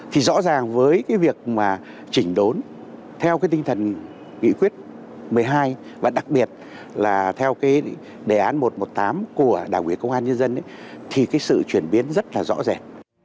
thì rõ ràng với cái việc mà chỉnh đốn theo cái tinh thần nghị quyết một mươi hai và đặc biệt là theo cái đề án một trăm một mươi tám của đảng ủy công an nhân dân thì cái sự chuyển biến rất là rõ rệt